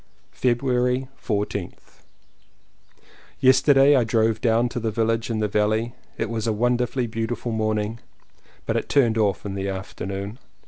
February 14th. Yesterday I drove down to the village in the valley. It was a wonderfully beau tiful morning, but it turned off in the afternoon.